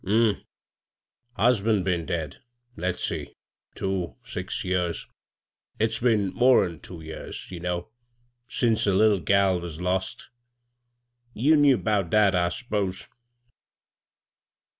" Hm m ; husband been dead, let's see — two — six years. It's been more'n two years, ye know, since the little gal was lost Ye knew 'bout that, I s'pose."